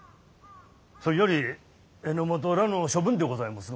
そいより榎本らの処分でございもすが。